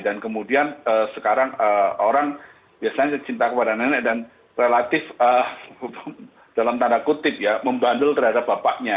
dan kemudian sekarang orang biasanya dicintai kepada nenek dan relatif dalam tanda kutip ya membandul terhadap bapaknya